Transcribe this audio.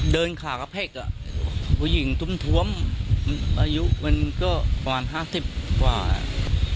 เดินขากกระเภกอ่ะผู้หญิงทุ่มทวมอายุมันก็ประมาณห้าสิบกว่าอ่ะ